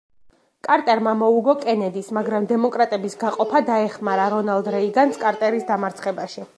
კარტერმა მოუგო კენედის, მაგრამ დემოკრატების გაყოფა დაეხმარა რონალდ რეიგანს კარტერის დამარცხებაში.